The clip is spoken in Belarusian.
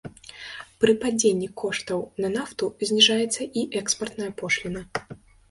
Пры падзенні коштаў на нафту зніжаецца і экспартная пошліна.